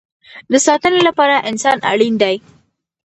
د ساتنې لپاره انسان اړین دی